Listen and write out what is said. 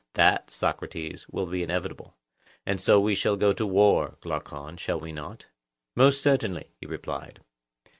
That, Socrates, will be inevitable. And so we shall go to war, Glaucon. Shall we not? Most certainly, he replied.